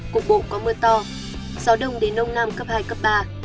cục bộ có mưa to gió đông đến đông nam cấp hai cấp ba